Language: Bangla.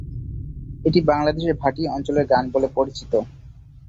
এটি বাংলাদেশের ভাটি অঞ্চলের গান বলে পরিচিত।